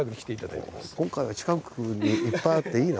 今回は近くにいっぱいあっていいな。